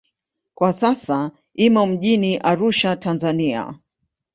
Kwa sasa imo mjini Arusha, Tanzania.